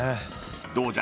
どうじゃ？